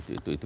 itu itu itu